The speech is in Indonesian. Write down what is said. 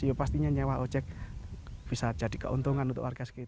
ya pastinya nyewa ojek bisa jadi keuntungan untuk warga sekitar